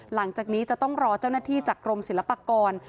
หลังจากนี้จะต้องรอเจ้าหน้าที่จากกรมศิลปากร